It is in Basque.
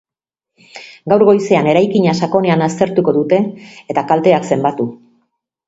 Gaur goizean eraikina sakonean aztertuko dute, eta kalteak zenbatu.